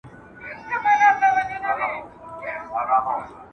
کېدای پښتو سي د پوهې لېږد اسانه کړي.